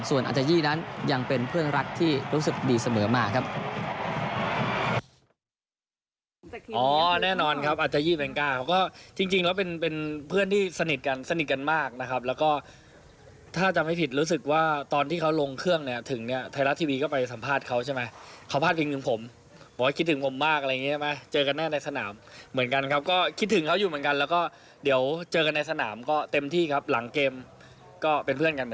ส่วนอาจายี่นั้นยังเป็นเพื่อนรักที่รู้สึกดีเสมอมาครับ